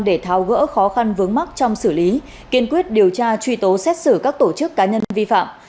để tháo gỡ khó khăn vướng mắc trong xử lý kiên quyết điều tra truy tố xét xử các tổ chức cá nhân vi phạm